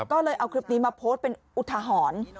ก็เลยเอาคลิปนี้มาโพสต์เป็นอุทหรณ์